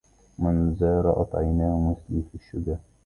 من ذا رأت عيناه مثلي في الشجا